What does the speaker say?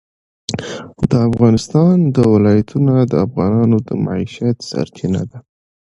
د افغانستان ولايتونه د افغانانو د معیشت سرچینه ده.